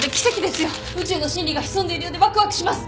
宇宙の真理が潜んでいるようでわくわくします！